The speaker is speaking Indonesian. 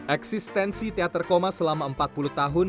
eksistensi teater koma selama empat puluh tahun